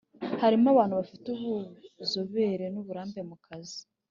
harimo abantu bafite ubuzobere n uburambe mu kazi